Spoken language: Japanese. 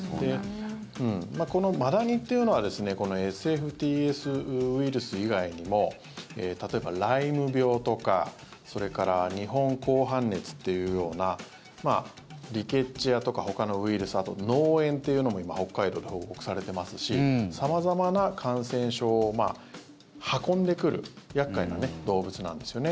このマダニというのはＳＦＴＳウイルス以外にも例えば、ライム病とかそれから日本紅斑熱というようなリケッチアとかほかのウイルスあと、脳炎というのも今、北海道で報告されていますし様々な感染症を運んでくる厄介な動物なんですよね。